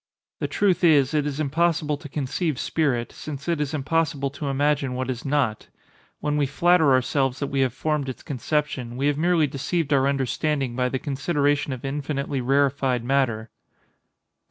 The truth is, it is impossible to conceive spirit, since it is impossible to imagine what is not. When we flatter ourselves that we have formed its conception, we have merely deceived our understanding by the consideration of infinitely rarified matter.